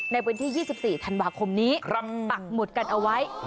ในวันที่๒๔ธันวาคมนี้ปักหมุดกันเอาไว้